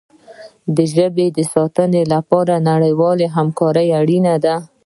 د پښتو ژبې د ساتنې لپاره نړیواله همکاري اړینه ده.